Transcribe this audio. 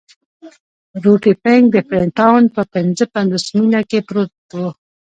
روټي فنک د فري ټاون په پنځه پنځوس میله کې پروت وو.